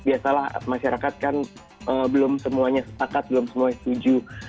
biasalah masyarakat kan belum semuanya sepakat belum semuanya setuju